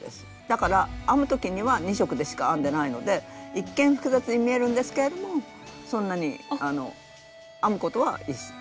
だから編む時には２色でしか編んでないので一見複雑に見えるんですけれどもそんなに編むことは。